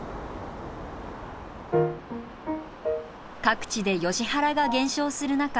各地でヨシ原が減少する中